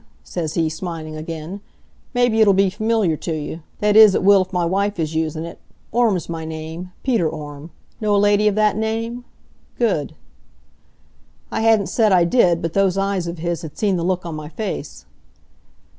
says he, smiling again, 'Maybe it'll be familiar t' you. That is, it will if my wife is usin' it. Orme's my name Peter Orme. Know a lady of that name? Good.' "I hadn't said I did, but those eyes of his had seen the look on my face.